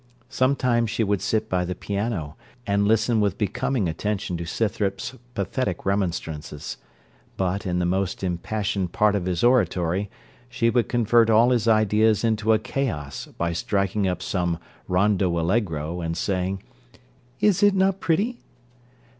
Sometimes she would sit by the piano, and listen with becoming attention to Scythrop's pathetic remonstrances; but, in the most impassioned part of his oratory, she would convert all his ideas into a chaos, by striking up some Rondo Allegro, and saying, 'Is it not pretty?'